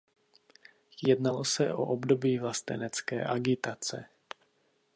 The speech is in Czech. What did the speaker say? Jednalo se o období vlastenecké agitace.